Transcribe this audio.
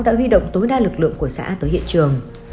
đã huy động tối đa lực lượng của xã tới hiện trường